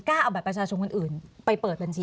เอาบัตรประชาชนคนอื่นไปเปิดบัญชี